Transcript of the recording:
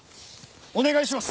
お願いします！